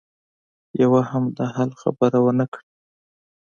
يوه هم د حل خبره ونه کړه.